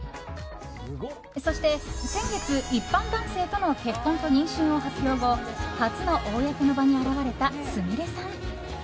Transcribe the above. そして、先月一般男性との結婚と妊娠を発表後初の公の場に現れた、すみれさん。